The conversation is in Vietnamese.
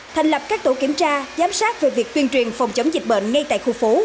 thành lập các tổ kiểm tra giám sát về việc tuyên truyền phòng chống dịch bệnh ngay tại khu phố